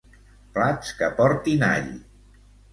Plats que portin all.